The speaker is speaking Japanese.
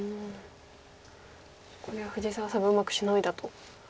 これは藤沢さんがうまくシノいだと。